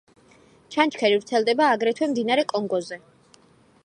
ჩანჩქერი ვრცელდება აგრეთვე მდინარე კონგოზე.